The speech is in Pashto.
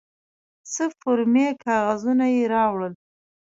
څه فورمې کاغذونه یې راوړل.